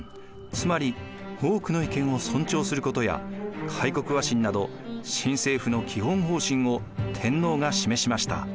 つまり多くの意見を尊重することや開国和親など新政府の基本方針を天皇が示しました。